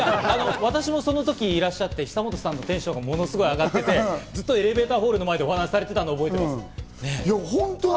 私も、その時いて久本さんのテンションが上がっていらっしゃって、エレベーターホールの前でお話しされていたのを覚えています。